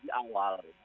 tadi misalnya persyaratan